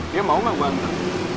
dia mau gak gue antar